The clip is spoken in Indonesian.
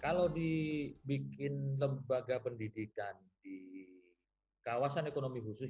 kalau dibikin lembaga pendidikan di kawasan ekonomi khusus